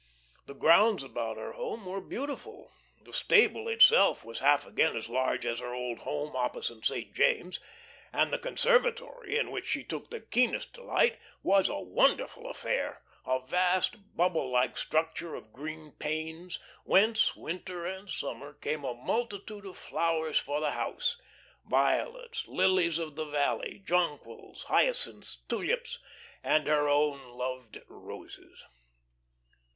The grounds about her home were beautiful. The stable itself was half again as large as her old home opposite St. James's, and the conservatory, in which she took the keenest delight, was a wonderful affair a vast bubble like structure of green panes, whence, winter and summer, came a multitude of flowers for the house violets, lilies of the valley, jonquils, hyacinths, tulips, and her own loved roses.